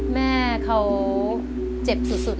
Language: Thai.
แม่เขาเจ็บสุด